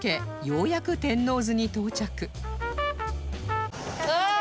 ようやく天王洲に到着